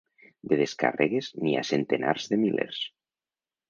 De descàrregues n’hi ha centenars de milers.